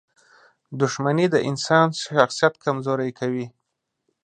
• دښمني د انسان شخصیت کمزوری کوي.